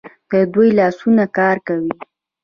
د دوی لاسونه کار کوي.